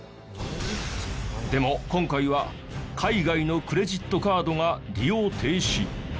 でも今回は海外のクレジットカードが利用停止。